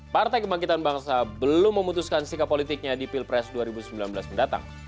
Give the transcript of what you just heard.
partai kebangkitan bangsa belum memutuskan sikap politiknya di pilpres dua ribu sembilan belas mendatang